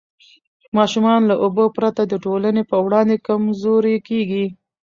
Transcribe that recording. ماشومان له لوبو پرته د ټولنې په وړاندې کمزوري کېږي.